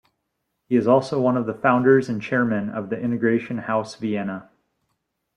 He is also one of the founders and chairman of the Integration House Vienna.